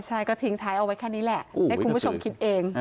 ใช่ก็ทิ้งท้ายเอาไว้แค่นี้แหละให้คุณผู้ชมคิดเอง